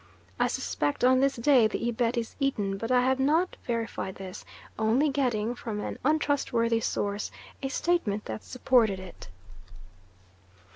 I suspect on this day the Ibet is eaten, but I have not verified this, only getting, from an untrustworthy source, a statement that supported it.